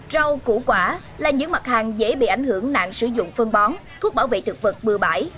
rau củ quả là những mặt hàng dễ bị ảnh hưởng nạn sử dụng phân bón thuốc bảo vệ thực vật bừa bãi